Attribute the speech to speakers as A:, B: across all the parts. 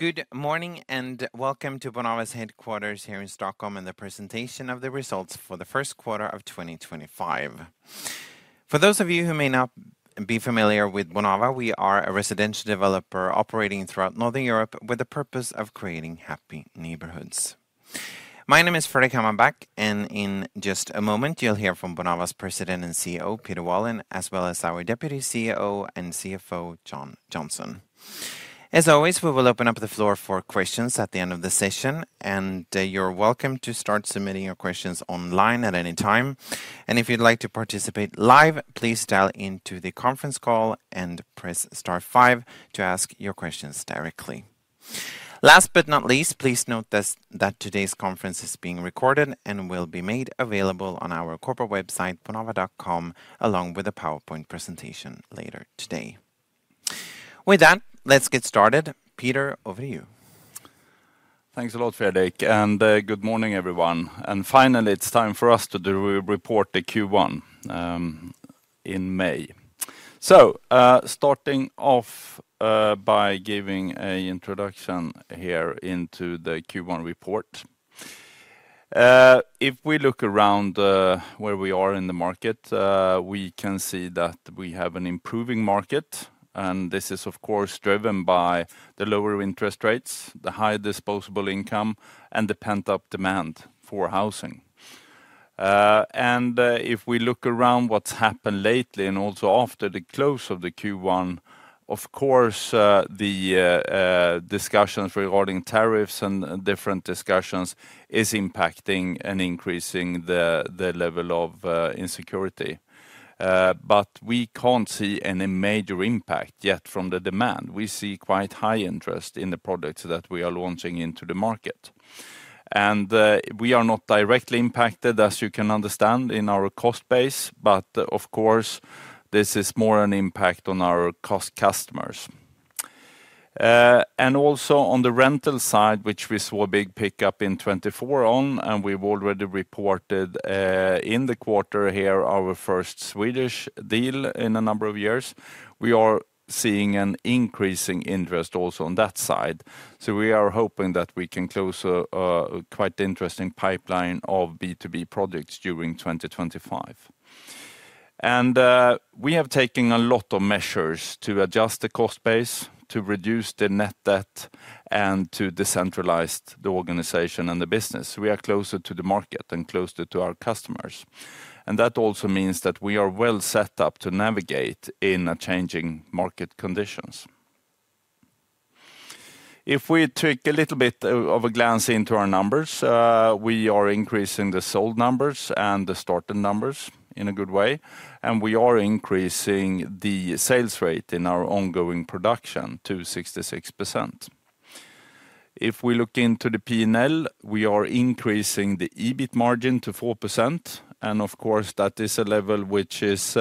A: Good morning and welcome to Bonava's headquarters here in Stockholm and the presentation of the results for the first quarter of 2025. For those of you who may not be familiar with Bonava, we are a residential developer operating throughout Northern Europe with the purpose of creating happy neighborhoods. My name is Fredrik Hammarbäck, and in just a moment you'll hear from Bonava's President and CEO, Peter Wallin, as well as our Deputy CEO and CFO, Jon Johnson. As always, we will open up the floor for questions at the end of the session, and you're welcome to start submitting your questions online at any time. If you'd like to participate live, please dial into the conference call and press star five to ask your questions directly. Last but not least, please note that today's conference is being recorded and will be made available on our corporate website, bonava.com, along with a PowerPoint presentation later today. With that, let's get started. Peter, over to you.
B: Thanks a lot, Fredrik, and good morning, everyone. Finally, it's time for us to report the Q1 in May. Starting off by giving an introduction here into the Q1 report, if we look around where we are in the market, we can see that we have an improving market, and this is, of course, driven by the lower interest rates, the high disposable income, and the pent-up demand for housing. If we look around what's happened lately and also after the close of the Q1, of course, the discussions regarding tariffs and different discussions are impacting and increasing the level of insecurity. We can't see any major impact yet from the demand. We see quite high interest in the products that we are launching into the market. We are not directly impacted, as you can understand, in our cost base, but of course, this is more an impact on our customers. Also on the rental side, which we saw a big pickup in 24 on, and we have already reported in the quarter here our first Swedish deal in a number of years, we are seeing an increasing interest also on that side. We are hoping that we can close a quite interesting pipeline of B2B products during 2025. We have taken a lot of measures to adjust the cost base, to reduce the net debt, and to decentralize the organization and the business. We are closer to the market and closer to our customers. That also means that we are well set up to navigate in changing market conditions. If we take a little bit of a glance into our numbers, we are increasing the sold numbers and the started numbers in a good way. We are increasing the sales rate in our ongoing production to 66%. If we look into the P&L, we are increasing the EBIT margin to 4%. Of course, that is a level which is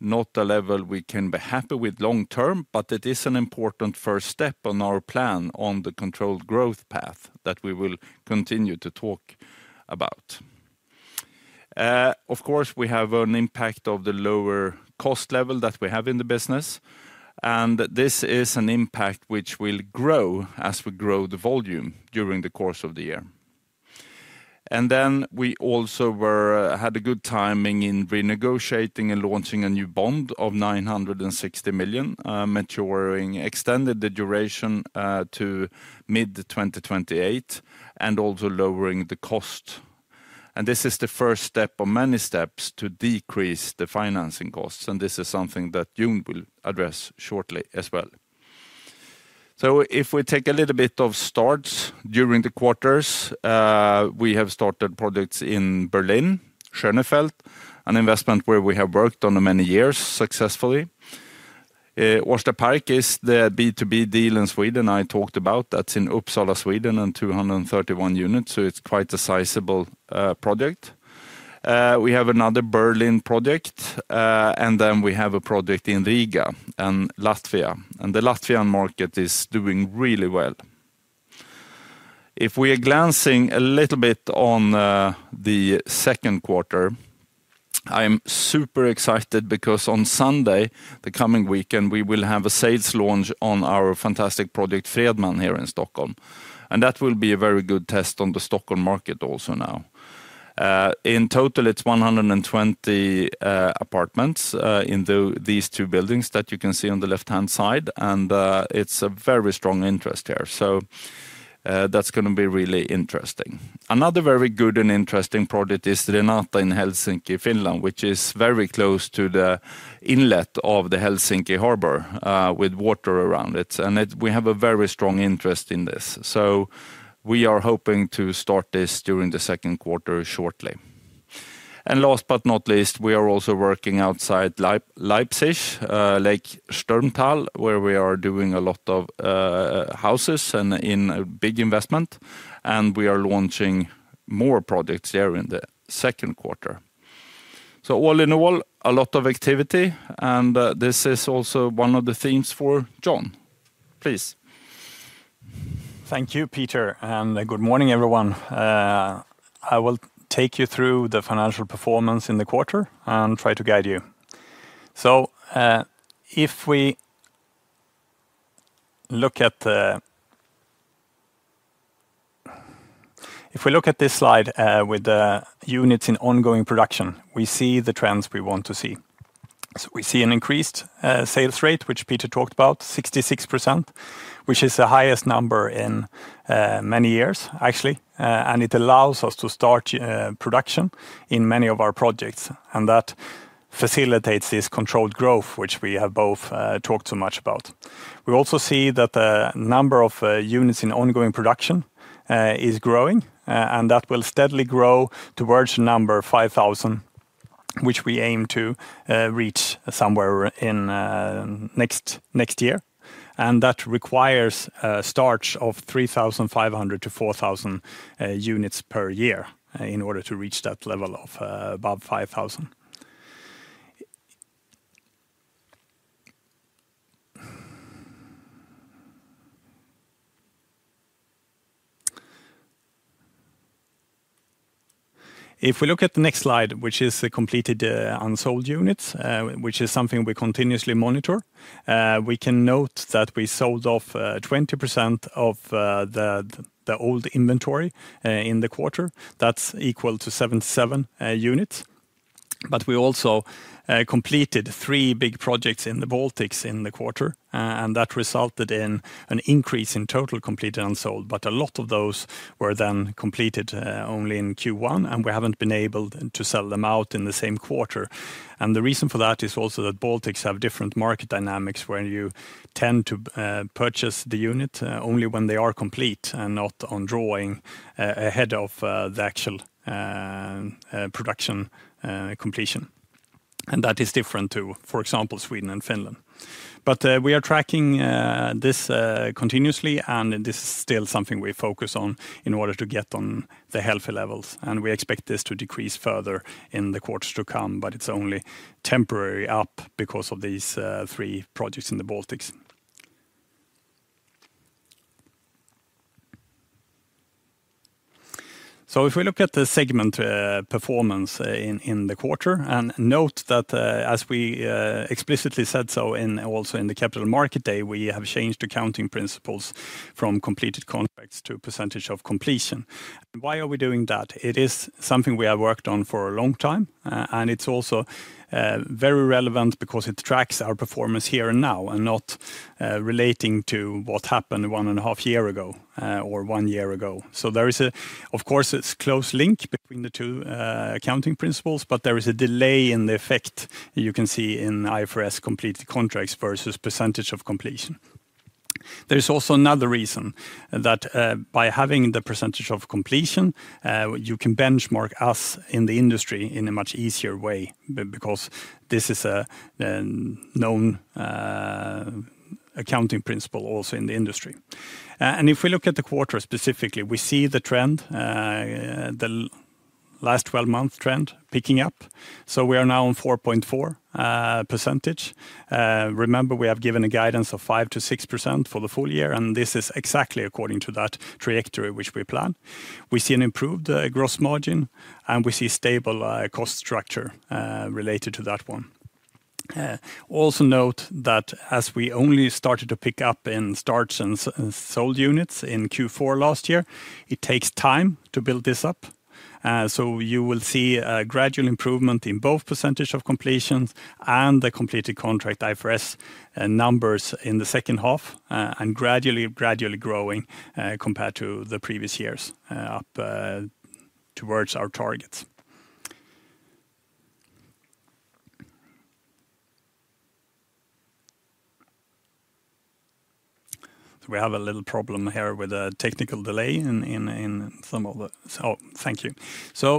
B: not a level we can be happy with long term, but it is an important first step on our plan on the controlled growth path that we will continue to talk about. Of course, we have an impact of the lower cost level that we have in the business, and this is an impact which will grow as we grow the volume during the course of the year. We also had a good timing in renegotiating and launching a new bond of 960 million, maturing, extended the duration to mid-2028, and also lowering the cost. This is the first step of many steps to decrease the financing costs. This is something that Jon will address shortly as well. If we take a little bit of starts during the quarters, we have started projects in Berlin, Schönefeld, an investment where we have worked on many years successfully. Årstapark is the B2B deal in Sweden I talked about. That is in Uppsala, Sweden, and 231 units, so it is quite a sizable project. We have another Berlin project, and then we have a project in Riga in Latvia. The Latvian market is doing really well. If we are glancing a little bit on the second quarter, I'm super excited because on Sunday, the coming weekend, we will have a sales launch on our fantastic project, Fredman, here in Stockholm. That will be a very good test on the Stockholm market also now. In total, it's 120 apartments in these two buildings that you can see on the left-hand side, and it's a very strong interest here. That's going to be really interesting. Another very good and interesting project is Renata in Helsinki, Finland, which is very close to the inlet of the Helsinki harbor with water around it. We have a very strong interest in this. We are hoping to start this during the second quarter shortly. Last but not least, we are also working outside Leipzig, Lake Störmtal, where we are doing a lot of houses and in a big investment. We are launching more projects there in the second quarter. All in all, a lot of activity, and this is also one of the themes for Jon. Please.
C: Thank you, Peter, and good morning, everyone. I will take you through the financial performance in the quarter and try to guide you. If we look at this slide with the units in ongoing production, we see the trends we want to see. We see an increased sales rate, which Peter talked about, 66%, which is the highest number in many years, actually. It allows us to start production in many of our projects. That facilitates this controlled growth, which we have both talked so much about. We also see that the number of units in ongoing production is growing, and that will steadily grow towards the number 5,000, which we aim to reach somewhere in next year. That requires a start of 3,500-4,000 units per year in order to reach that level of above 5,000. If we look at the next slide, which is completed unsold units, which is something we continuously monitor, we can note that we sold off 20% of the old inventory in the quarter. That is equal to 77 units. We also completed three big projects in the Baltics in the quarter, and that resulted in an increase in total completed unsold. A lot of those were then completed only in Q1, and we have not been able to sell them out in the same quarter. The reason for that is also that Baltics have different market dynamics where you tend to purchase the unit only when they are complete and not on drawing ahead of the actual production completion. That is different to, for example, Sweden and Finland. We are tracking this continuously, and this is still something we focus on in order to get on the healthy levels. We expect this to decrease further in the quarters to come, but it's only temporarily up because of these three projects in the Baltics. If we look at the segment performance in the quarter, and note that as we explicitly said also in the capital market day, we have changed the accounting principles from completed contracts to percentage of completion. Why are we doing that? It is something we have worked on for a long time, and it's also very relevant because it tracks our performance here and now and not relating to what happened one and a half years ago or one year ago. There is, of course, a close link between the two accounting principles, but there is a delay in the effect you can see in IFRS completed contracts versus percentage of completion. There is also another reason that by having the percentage of completion, you can benchmark us in the industry in a much easier way because this is a known accounting principle also in the industry. If we look at the quarter specifically, we see the trend, the last 12-month trend picking up. We are now on 4.4%. Remember, we have given a guidance of 5%-6% for the full year, and this is exactly according to that trajectory which we plan. We see an improved gross margin, and we see a stable cost structure related to that one. Also note that as we only started to pick up in starts and sold units in Q4 last year, it takes time to build this up. You will see a gradual improvement in both percentage of completions and the completed contract IFRS numbers in the second half and gradually growing compared to the previous years up towards our targets. We have a little problem here with a technical delay in some of the... Oh, thank you.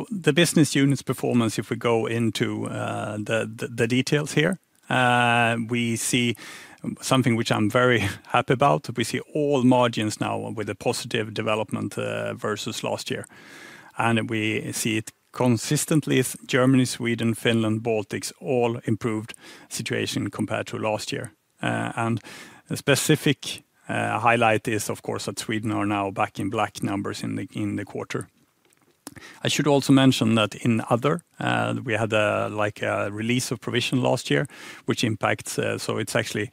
C: The business units performance, if we go into the details here, we see something which I'm very happy about. We see all margins now with a positive development versus last year. We see it consistently as Germany, Sweden, Finland, Baltics, all improved situation compared to last year. A specific highlight is, of course, that Sweden are now back in black numbers in the quarter. I should also mention that in other, we had a release of provision last year, which impacts, so it is actually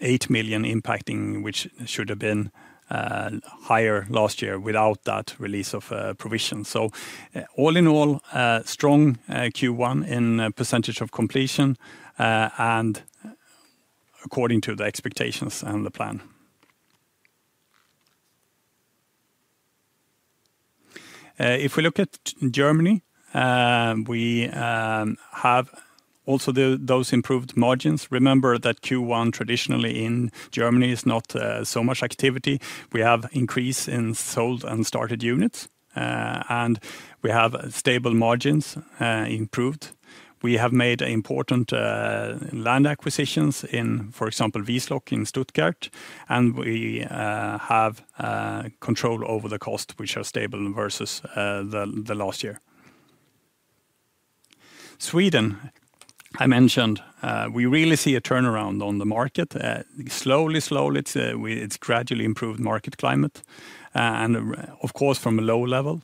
C: 8 million impacting, which should have been higher last year without that release of provision. All in all, strong Q1 in percentage of completion and according to the expectations and the plan. If we look at Germany, we have also those improved margins. Remember that Q1 traditionally in Germany is not so much activity. We have increase in sold and started units, and we have stable margins improved. We have made important land acquisitions in, for example, Wiesloch in Stuttgart, and we have control over the cost, which are stable versus last year. Sweden, I mentioned, we really see a turnaround on the market. Slowly, slowly, it is gradually improved market climate, and of course from a low level.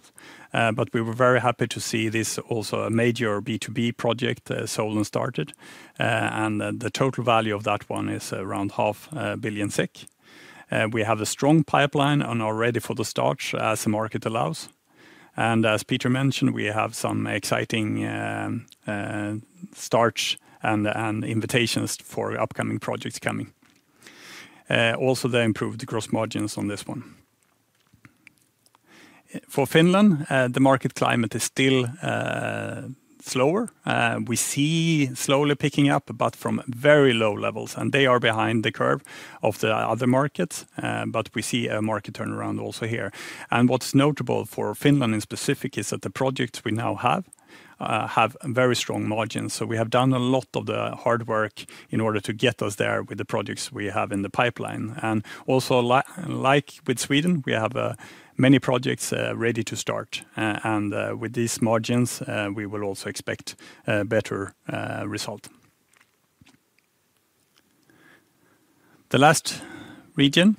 C: We were very happy to see this also a major B2B project sold and started, and the total value of that one is around 500,000,000 SEK. We have a strong pipeline and are ready for the start as the market allows. As Peter mentioned, we have some exciting starts and invitations for upcoming projects coming. Also the improved gross margins on this one. For Finland, the market climate is still slower. We see slowly picking up, but from very low levels, and they are behind the curve of the other markets. We see a market turnaround also here. What is notable for Finland in specific is that the projects we now have have very strong margins. We have done a lot of the hard work in order to get us there with the projects we have in the pipeline. Like with Sweden, we have many projects ready to start. With these margins, we will also expect a better result. The last region,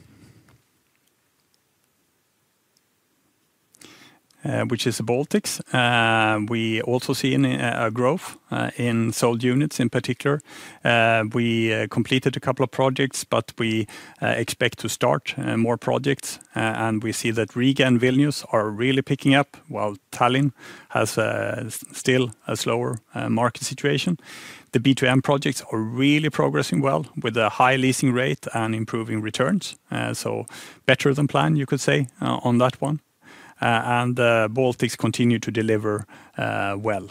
C: which is the Baltics, we also see a growth in sold units in particular. We completed a couple of projects, but we expect to start more projects. We see that Riga and Vilnius are really picking up while Tallinn has still a slower market situation. The B2M projects are really progressing well with a high leasing rate and improving returns. Better than planned, you could say, on that one. The Baltics continue to deliver well.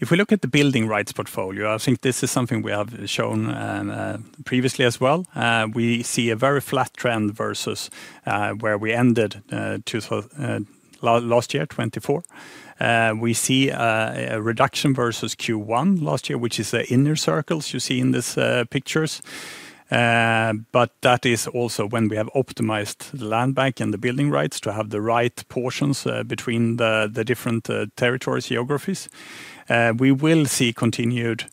C: If we look at the building rights portfolio, I think this is something we have shown previously as well. We see a very flat trend versus where we ended last year, 24. We see a reduction versus Q1 last year, which is the inner circles you see in these pictures. That is also when we have optimized the land bank and the building rights to have the right portions between the different territories, geographies. We will see continued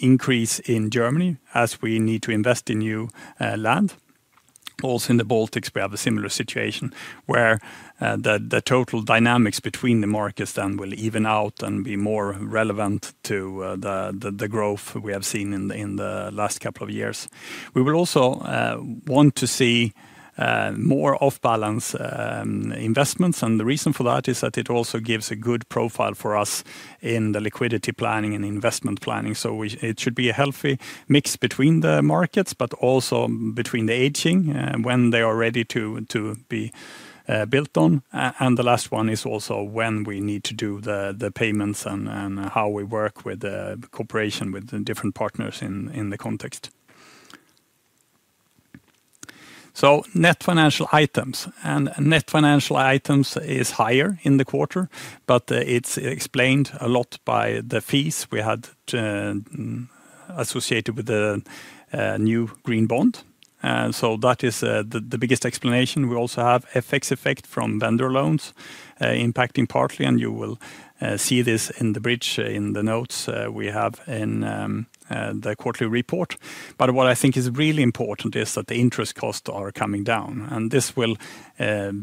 C: increase in Germany as we need to invest in new land. Also in the Baltics, we have a similar situation where the total dynamics between the markets then will even out and be more relevant to the growth we have seen in the last couple of years. We will also want to see more off-balance investments. The reason for that is that it also gives a good profile for us in the liquidity planning and investment planning. It should be a healthy mix between the markets, but also between the aging when they are ready to be built on. The last one is also when we need to do the payments and how we work with the cooperation with the different partners in the context. Net financial items, and net financial items is higher in the quarter, but it's explained a lot by the fees we had associated with the new green bond. That is the biggest explanation. We also have FX effect from vendor loans impacting partly, and you will see this in the bridge in the notes we have in the quarterly report. What I think is really important is that the interest costs are coming down, and this will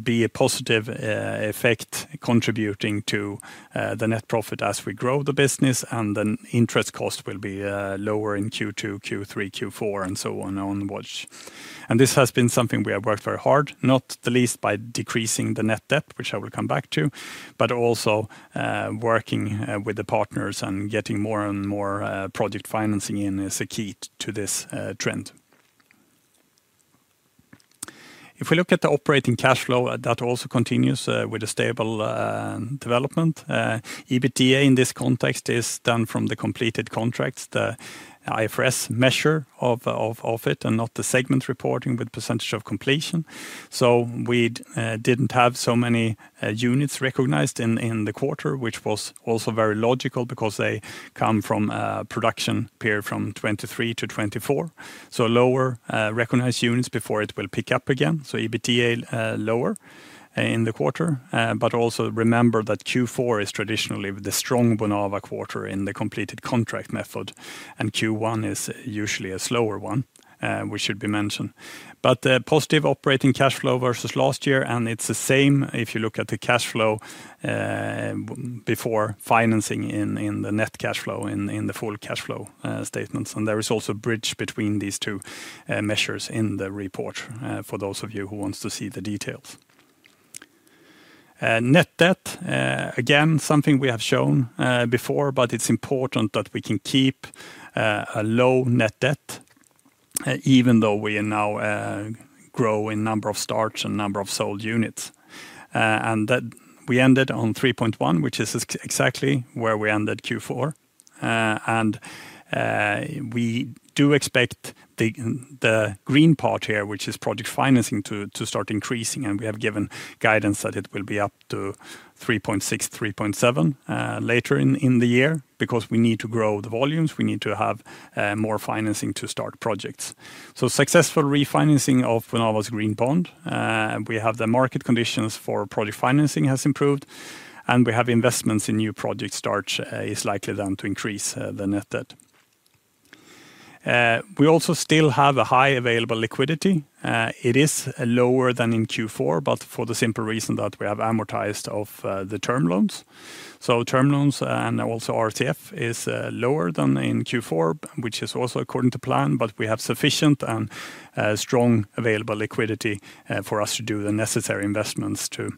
C: be a positive effect contributing to the net profit as we grow the business, and the interest cost will be lower in Q2, Q3, Q4, and so on onwards. This has been something we have worked very hard, not the least by decreasing the net debt, which I will come back to, but also working with the partners and getting more and more project financing in as a key to this trend. If we look at the operating cash flow, that also continues with a stable development. EBITDA in this context is done from the completed contracts, the IFRS measure of it and not the segment reporting with percentage of completion. We did not have so many units recognized in the quarter, which was also very logical because they come from a production period from 23 to 24. Lower recognized units before it will pick up again. EBITDA lower in the quarter, but also remember that Q4 is traditionally the strong Bonava quarter in the completed contract method, and Q1 is usually a slower one, which should be mentioned. The positive operating cash flow versus last year, and it is the same if you look at the cash flow before financing in the net cash flow in the full cash flow statements. There is also a bridge between these two measures in the report for those of you who want to see the details. Net debt, again, something we have shown before, but it is important that we can keep a low net debt even though we now grow in number of starts and number of sold units. We ended on 3.1, which is exactly where we ended Q4. We do expect the green part here, which is project financing, to start increasing, and we have given guidance that it will be up to 3.6-3.7 later in the year because we need to grow the volumes. We need to have more financing to start projects. Successful refinancing of Bonava's green bond. The market conditions for project financing have improved, and investments in new project starts are likely then to increase the net debt. We also still have high available liquidity. It is lower than in Q4, but for the simple reason that we have amortized the term loans. Term loans and also RTF are lower than in Q4, which is also according to plan, but we have sufficient and strong available liquidity for us to do the necessary investments to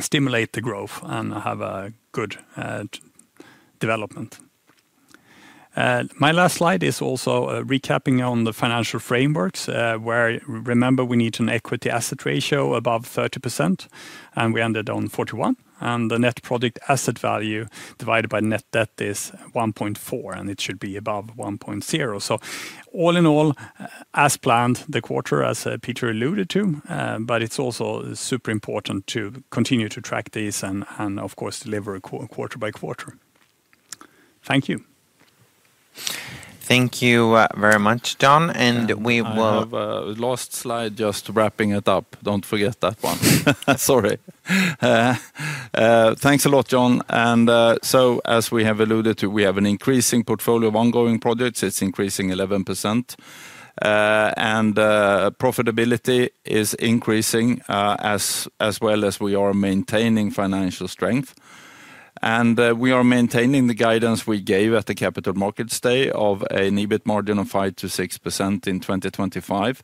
C: stimulate the growth and have a good development. My last slide is also recapping on the financial frameworks where remember we need an equity asset ratio above 30%, and we ended on 41%, and the net project asset value divided by net debt is 1.4, and it should be above 1.0. All in all, as planned the quarter as Peter alluded to, but it's also super important to continue to track these and of course deliver quarter by quarter. Thank you.
B: Thank you very much, Jon, and we will have a last slide just wrapping it up. Do not forget that one. Sorry. Thanks a lot, Jon. As we have alluded to, we have an increasing portfolio of ongoing projects. It's increasing 11%, and profitability is increasing as well as we are maintaining financial strength. We are maintaining the guidance we gave at the capital markets day of an EBIT margin of 5%-6% in 2025,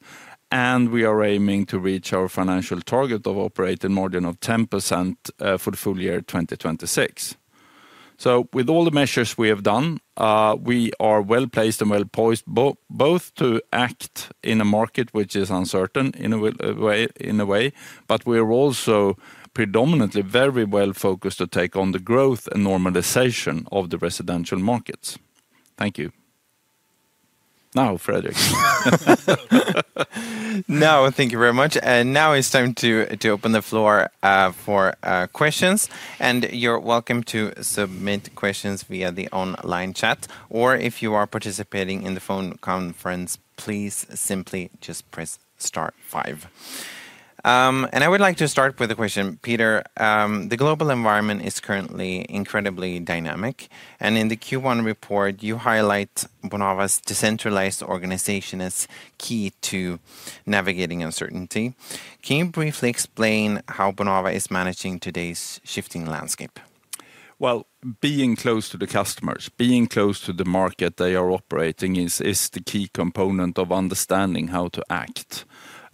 B: and we are aiming to reach our financial target of operating margin of 10% for the full year 2026. With all the measures we have done, we are well placed and well poised both to act in a market which is uncertain in a way, but we are also predominantly very well focused to take on the growth and normalization of the residential markets. Thank you. Now, Fredrik.
A: Thank you very much. Now it is time to open the floor for questions, and you are welcome to submit questions via the online chat, or if you are participating in the phone conference, please simply just press star five. I would like to start with a question, Peter. The global environment is currently incredibly dynamic, and in the Q1 report, you highlight Bonava's decentralized organization as key to navigating uncertainty. Can you briefly explain how Bonava is managing today's shifting landscape?
B: Being close to the customers, being close to the market they are operating is the key component of understanding how to act.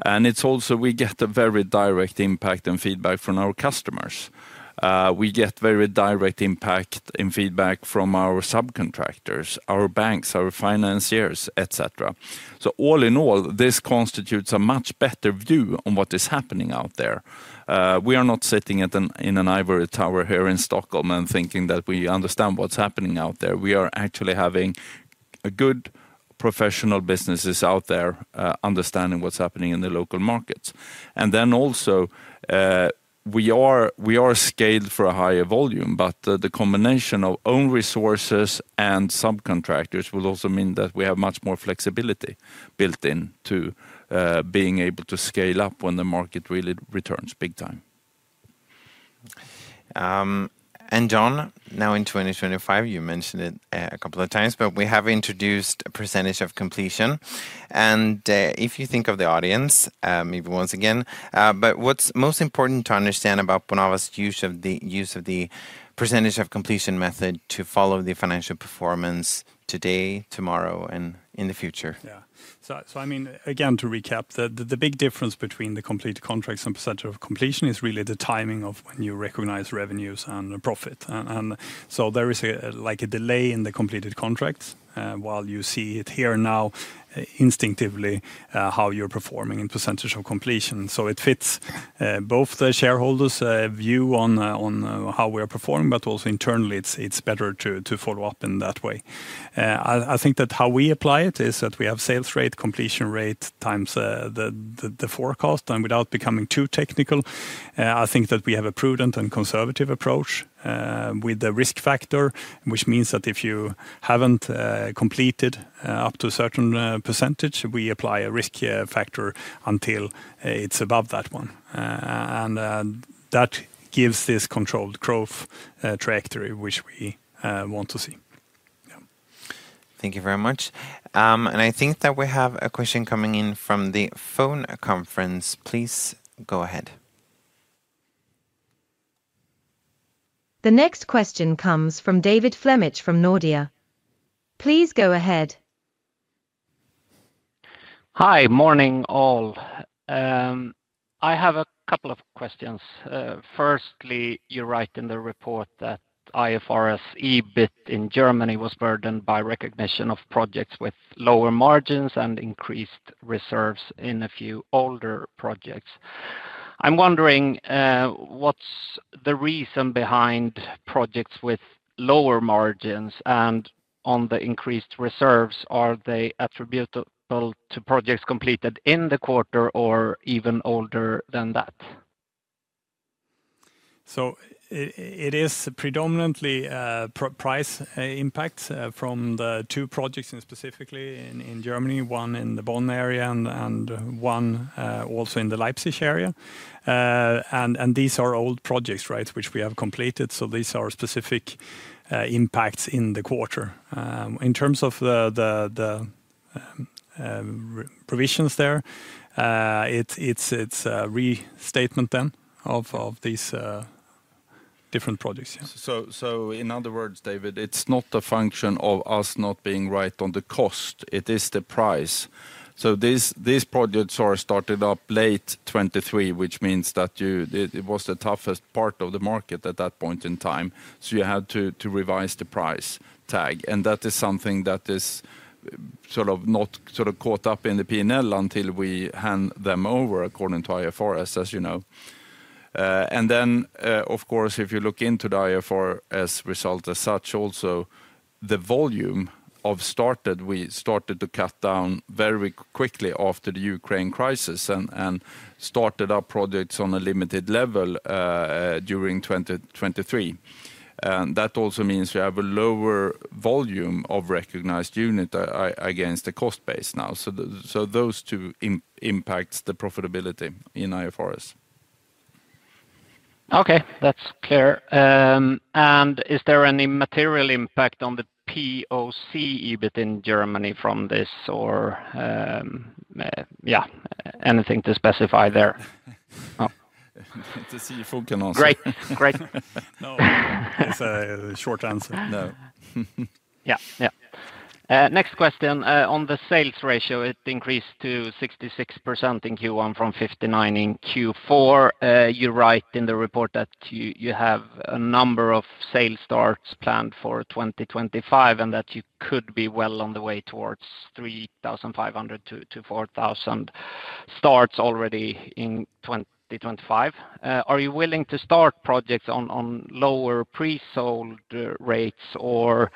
B: It is also that we get a very direct impact and feedback from our customers. We get very direct impact and feedback from our subcontractors, our banks, our financiers, etc. All in all, this constitutes a much better view on what is happening out there. We are not sitting in an ivory tower here in Stockholm and thinking that we understand what's happening out there. We are actually having good professional businesses out there understanding what's happening in the local markets. We are scaled for a higher volume, but the combination of own resources and subcontractors will also mean that we have much more flexibility built into being able to scale up when the market really returns big time.
A: John, now in 2025, you mentioned it a couple of times, but we have introduced a percentage of completion. If you think of the audience, maybe once again, what's most important to understand about Bonava's use of the percentage of completion method to follow the financial performance today, tomorrow, and in the future?
C: Yeah. I mean, again, to recap, the big difference between the completed contracts and percentage of completion is really the timing of when you recognize revenues and profit. There is like a delay in the completed contracts while you see it here now instinctively how you're performing in percentage of completion. It fits both the shareholders' view on how we are performing, but also internally it's better to follow up in that way. I think that how we apply it is that we have sales rate, completion rate times the forecast, and without becoming too technical, I think that we have a prudent and conservative approach with the risk factor, which means that if you haven't completed up to a certain percentage, we apply a risk factor until it's above that one. That gives this controlled growth trajectory, which we want to see.
A: Thank you very much. I think that we have a question coming in from the phone conference. Please go ahead.
D: The next question comes from David Flemich from Nordia. Please go ahead.
E: Hi, morning all. I have a couple of questions. Firstly, you write in the report that IFRS EBIT in Germany was burdened by recognition of projects with lower margins and increased reserves in a few older projects. I'm wondering what's the reason behind projects with lower margins and on the increased reserves, are they attributable to projects completed in the quarter or even older than that?
C: It is predominantly price impacts from the two projects specifically in Germany, one in the Bonn area and one also in the Leipzig area. These are old projects, right, which we have completed. These are specific impacts in the quarter. In terms of the provisions there, it's a restatement then of these different projects.
B: In other words, David, it's not a function of us not being right on the cost. It is the price. These projects are started up late 2023, which means that it was the toughest part of the market at that point in time. You had to revise the price tag. That is something that is not caught up in the P&L until we hand them over according to IFRS, as you know. If you look into the IFRS result as such, also the volume of started, we started to cut down very quickly after the Ukraine crisis and started up projects on a limited level during 2023. That also means we have a lower volume of recognized unit against the cost base now. Those two impact the profitability in IFRS.
E: Okay, that's clear. Is there any material impact on the POC EBIT in Germany from this or anything to specify there?
B: To see if we can answer.
E: Great.
B: No, it's a short answer. No.
E: Yeah, yeah. Next question. On the sales ratio, it increased to 66% in Q1 from 59% in Q4. You write in the report that you have a number of sales starts planned for 2025 and that you could be well on the way towards 3,500-4,000 starts already in 2025. Are you willing to start projects on lower pre-sold rates or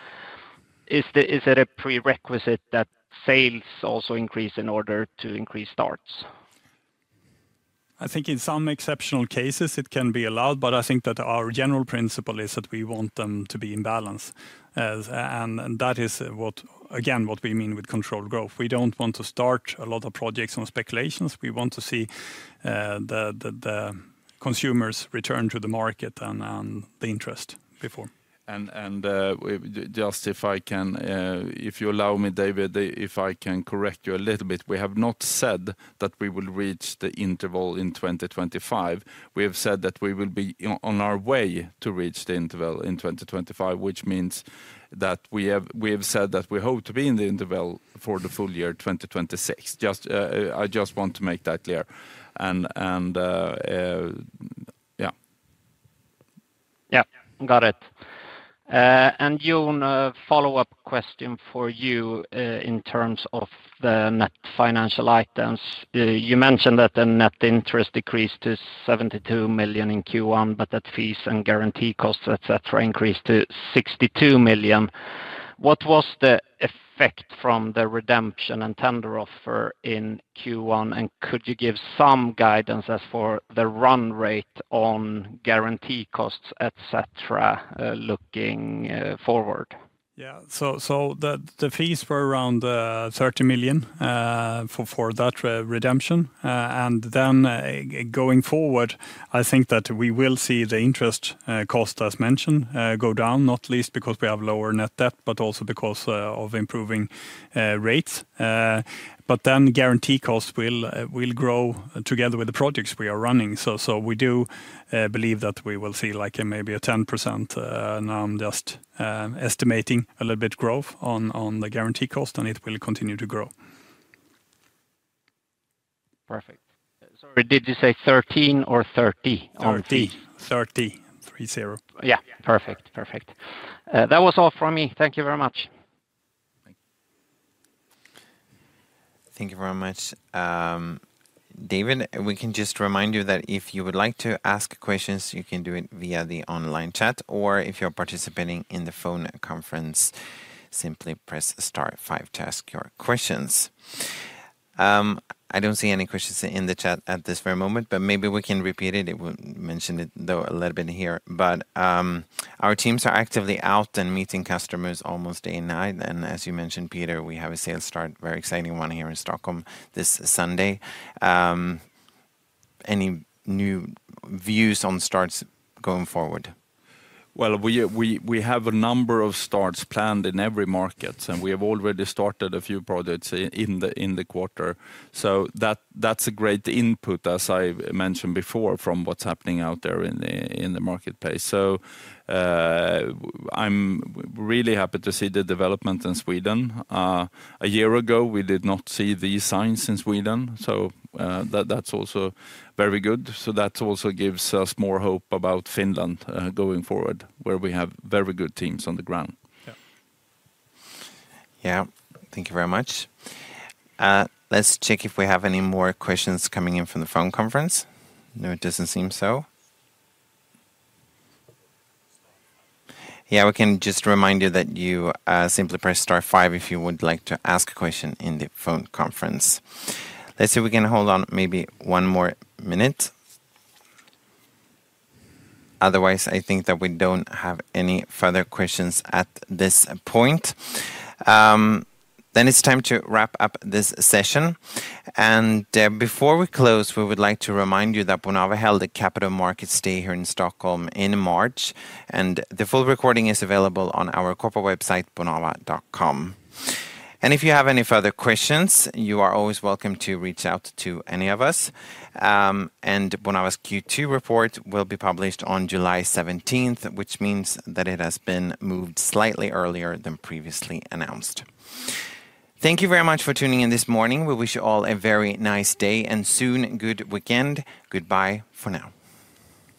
E: is it a prerequisite that sales also increase in order to increase starts?
B: I think in some exceptional cases it can be allowed, but I think that our general principle is that we want them to be in balance. That is what, again, what we mean with controlled growth. We do not want to start a lot of projects on speculations. We want to see the consumers return to the market and the interest before.
C: If I can, if you allow me, David, if I can correct you a little bit, we have not said that we will reach the interval in 2025. We have said that we will be on our way to reach the interval in 2025, which means that we have said that we hope to be in the interval for the full year 2026. I just want to make that clear.
E: Yeah, got it. Jun, a follow-up question for you in terms of the net financial items. You mentioned that the net interest decreased to 72 million in Q1, but that fees and guarantee costs, etc., increased to 62 million. What was the effect from the redemption and tender offer in Q1? Could you give some guidance as for the run rate on guarantee costs, etc., looking forward?
B: Yeah, the fees were around 30 million for that redemption. Going forward, I think that we will see the interest cost, as mentioned, go down, not least because we have lower net debt, but also because of improving rates. Guarantee costs will grow together with the projects we are running. We do believe that we will see like maybe a 10%—and I am just estimating a little bit—growth on the guarantee cost, and it will continue to grow.
E: Perfect. Sorry, did you say 13 or 30?
B: 30, 30, 3-0.
E: Yeah, perfect, perfect. That was all from me. Thank you very much.
C: Thank you very much. David, we can just remind you that if you would like to ask questions, you can do it via the online chat, or if you're participating in the phone conference, simply press star five to ask your questions. I don't see any questions in the chat at this very moment, but maybe we can repeat it. I will mention it though a little bit here, but our teams are actively out and meeting customers almost day and night. As you mentioned, Peter, we have a sales start, very exciting one here in Stockholm this Sunday. Any new views on starts going forward?
B: We have a number of starts planned in every market, and we have already started a few projects in the quarter. That's a great input, as I mentioned before, from what's happening out there in the marketplace. I'm really happy to see the development in Sweden. A year ago, we did not see these signs in Sweden. That is also very good. That also gives us more hope about Finland going forward, where we have very good teams on the ground.
A: Yeah, thank you very much. Let's check if we have any more questions coming in from the phone conference. No, it does not seem so. Yeah, we can just remind you that you simply press star five if you would like to ask a question in the phone conference. Let's see if we can hold on maybe one more minute. Otherwise, I think that we do not have any further questions at this point. It is time to wrap up this session. Before we close, we would like to remind you that Bonava held a capital markets day here in Stockholm in March. The full recording is available on our corporate website, bonava.com. If you have any further questions, you are always welcome to reach out to any of us. Bonava's Q2 report will be published on July 17, which means that it has been moved slightly earlier than previously announced. Thank you very much for tuning in this morning. We wish you all a very nice day and soon good weekend. Goodbye for now.